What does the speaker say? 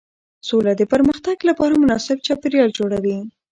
سوله د پرمختګ لپاره مناسب چاپېریال جوړوي